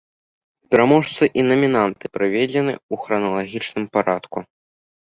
Пераможцы і намінанты прыведзены ў храналагічным парадку.